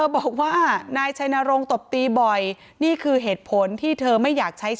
ทั้งครูก็มีค่าแรงรวมกันเดือนละประมาณ๗๐๐๐กว่าบาท